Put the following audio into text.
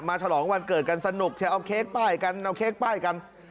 ฉลองวันเกิดกันสนุกจะเอาเค้กป้ายกันเอาเค้กป้ายกัน